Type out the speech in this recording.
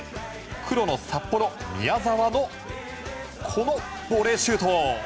黒の札幌、宮澤のこのボレーシュート。